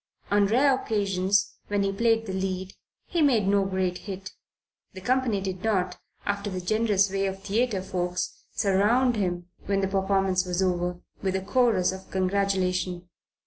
On the rare occasions when he played the lead, he made no great hit. The company did not, after the generous way of theatre folks, surround him, when the performance was over, with a chorus of congratulation.